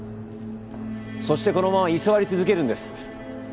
そしてこのまま居座り続けるんです。